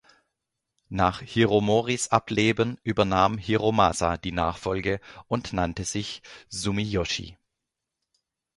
Nach Hiromoris Ableben übernahm Hiromasa die Nachfolge und nannte sich „Sumiyoshi“.